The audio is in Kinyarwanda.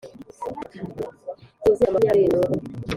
byibuze imyaka makumyabiri n umwe